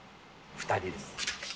２人です。